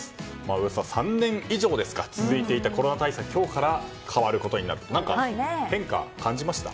およそ３年以上、続いていたコロナ対策が今日から変わることになって何か変化感じました？